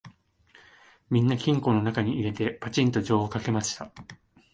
みんな金庫のなかに入れて、ぱちんと錠をかけました